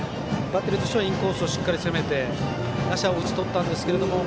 バッテリーとしてはインコースをしっかり攻めて打者を打ち取ったんですが。